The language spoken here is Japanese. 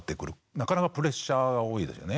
なかなかプレッシャーが多いですよね。